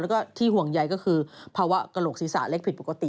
แล้วก็ที่ห่วงใยก็คือภาวะกระโหลกศีรษะเล็กผิดปกติ